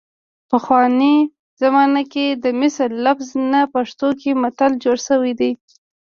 پخوانۍ زمانه کې د مثل لفظ نه په پښتو کې متل جوړ شوی دی